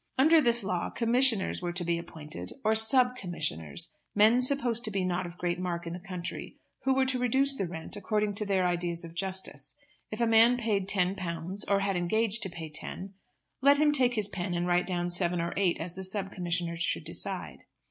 Under this law commissioners were to be appointed, or sub commissioners, men supposed to be not of great mark in the country, who were to reduce the rent according to their ideas of justice. If a man paid ten pounds, or had engaged to pay ten, let him take his pen and write down seven or eight as the sub commissioner should decide.